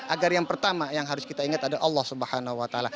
agar yang pertama yang harus kita ingat adalah allah swt